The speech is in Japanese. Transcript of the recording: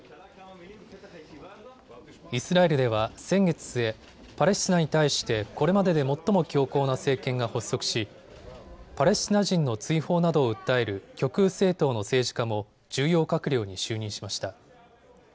イスラエルでは先月末、パレスチナに対してこれまでで最も強硬な政権が発足しパレスチナ人の追放などを訴える極右政党の政治家も重要閣僚に就任しました。